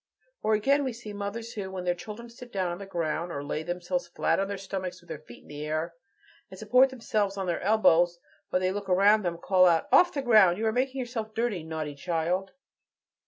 Or again, we see mothers who, when their children sit down on the ground or lay themselves flat on their stomachs with their feet in the air, and support themselves on their elbows, while they look round them, call out, "Off the ground! You are making yourself dirty, naughty child."